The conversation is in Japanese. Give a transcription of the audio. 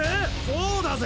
そうだぜ。